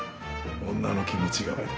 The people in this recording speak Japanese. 女の気持ちが」って。